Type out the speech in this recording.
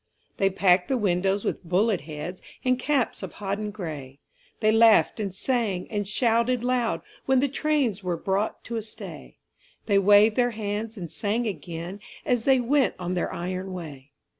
They packed the windows with bullet heads And caps of hodden gray; They laughed and sang and shouted loud When the trains were brought to a stay; They waved their hands and sang again As they went on their iron way.